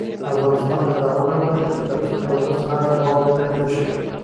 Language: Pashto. افغانستان تر هغو نه ابادیږي، ترڅو د ولس غږ واوریدل نشي.